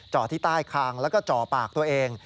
จอที่ใต้คางและจอปากตัวเอง